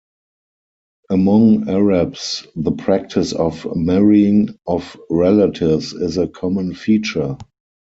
Among Arabs the practice of marrying of relatives is a common feature.